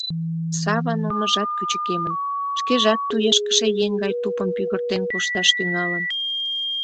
Саван омыжат кӱчыкемын, шкежат туешкыше еҥ гай тупым пӱгыртен кошташ тӱҥалын.